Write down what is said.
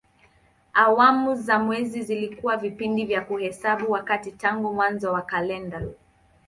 Awamu za mwezi zilikuwa vipindi vya kuhesabu wakati tangu mwanzo wa kalenda.